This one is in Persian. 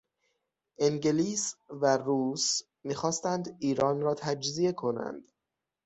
انگلیس و روس میخواستند ایران را تجزیه کنند.